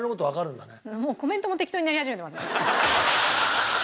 もうコメントも適当になり始めてますもん。